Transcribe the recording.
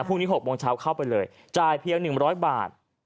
พรุ่งนี้๖โมงเช้าเข้าไปเลยจ่ายเพียง๑๐๐บาท